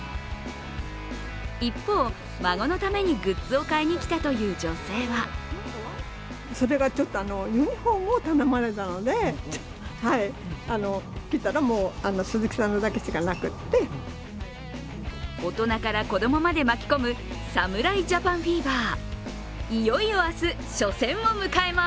一方、孫のためにグッズを買いに来たという女性は大人から子供まで巻き込む侍ジャパンフィーバー。